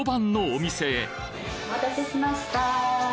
お待たせしました。